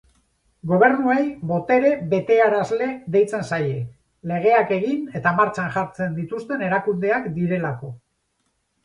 Gobernuei «botere betearazle» deitzen zaie, legeak egin edo martxan jartzen dituzten erakundeak direlako.